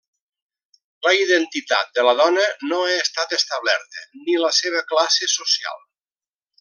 La identitat de la dona no ha estat establerta, ni la seva classe social.